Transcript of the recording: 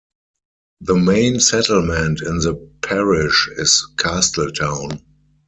The main settlement in the parish is Castletown.